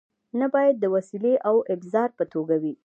نه باید د وسیلې او ابزار په توګه وي.